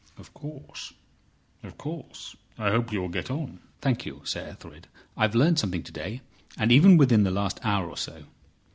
"Of course, of course. I hope you will get on." "Thank you, Sir Ethelred. I've learned something to day, and even within the last hour or so.